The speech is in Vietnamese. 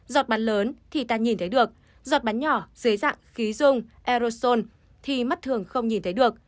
giọt bắn lớn thì ta nhìn thấy được giọt bắn nhỏ dưới dạng khí dung aerosol thì mắt thường không nhìn thấy được